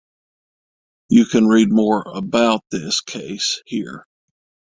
You can read more about this case here.